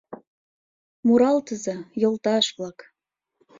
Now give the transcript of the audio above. Муралтыза, йолташ-влак!